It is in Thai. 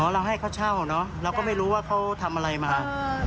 อ๋อแล้วให้เขาเช่าเนอะแล้วก็ไม่รู้ว่าเขาทำอะไรมา